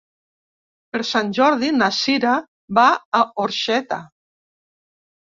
Per Sant Jordi na Cira va a Orxeta.